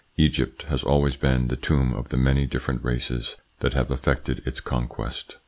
Egypt has always been the tomb of the many different races that have effected its conquest.